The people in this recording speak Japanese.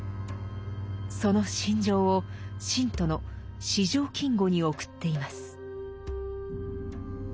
その心情を信徒の四条金吾に送っています。